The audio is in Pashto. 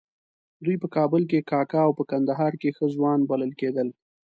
دوی په کابل کې کاکه او په کندهار کې ښه ځوان بلل کېدل.